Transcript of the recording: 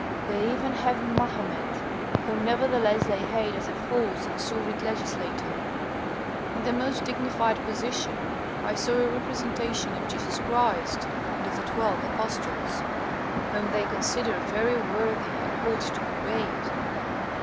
They even have Mahomet, whom nevertheless they hate as a false and sordid legislator. In the most dignified position I saw a representation of Jesus Christ and of the twelve Apostles, whom they consider very worthy and hold to be great.